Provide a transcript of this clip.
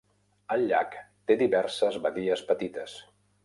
El llac té diverses badies petites.